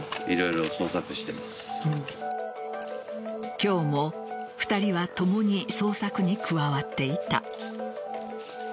今日も２人は共に捜索に加わっていた。